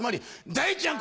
「太ちゃん